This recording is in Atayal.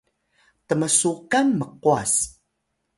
tnmsuqan mqwas